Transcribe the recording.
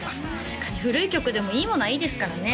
確かに古い曲でもいいものはいいですからね